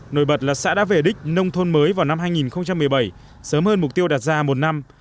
nổi bật là xã đã về đích nông thôn mới vào năm hai nghìn một mươi bảy sớm hơn mục tiêu đạt ra một năm